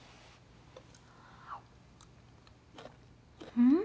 うん！